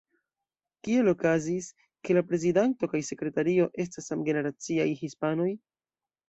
Kiel okazis, ke la prezidanto kaj sekretario estas samgeneraciaj hispanoj?